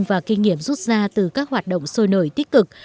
nhóm thành công và kinh nghiệm rút ra từ các hoạt động sôi nổi tích cực